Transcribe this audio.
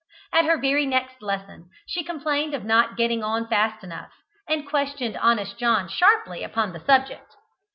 At her very next lesson she complained of not getting on fast enough, and questioned Honest John sharply upon the subject.